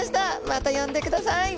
またよんでください。